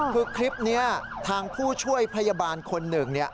คือคลิปนี้ทางผู้ช่วยพยาบาลคนหนึ่ง